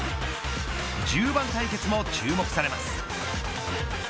１０番対決も注目されます。